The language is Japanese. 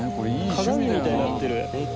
鏡みたいになってる。